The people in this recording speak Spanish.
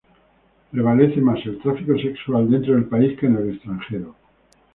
Prevalece más el tráfico sexual dentro del país que en el extranjero.